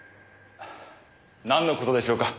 なんの事でしょうか？